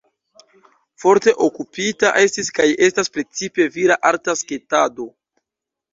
Forte okupita estis kaj estas precipe vira arta sketado.